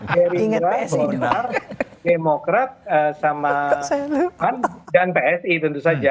gerindra golkar demokrat sama pan dan psi tentu saja